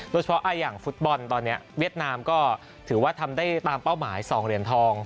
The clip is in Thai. โดยเฉพาะอย่างฟุตบอลตอนนี้เวียดนามก็ถือว่าทำได้ตามเป้าหมาย๒เหรียญทอง